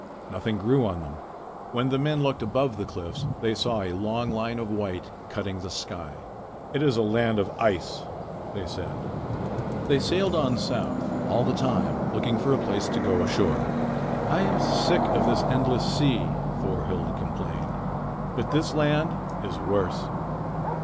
Nothing grew on them. When the men looked above the cliffs they saw a long line of white cutting the sky. "It is a land of ice," they said. They sailed on south, all the time looking for a place to go ashore. "I am sick of this endless sea," Thorhild complained, "but this land is worse."